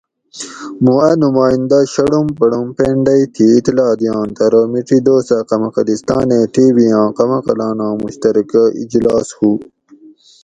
موں اۤ نمائندہ شڑم پڑم پینڈئی تھی اطلاع دئینت ارو میڄی دوسہ قمقلستانیں ٹی وی آں قمقلاناں مشترکہ اجلاس ہو